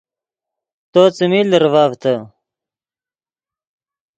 تو څیمی لرڤڤتے